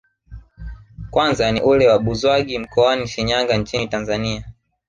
Kwanza ni ule wa Buzwagi mkoani Shinyanga nchini Tanzania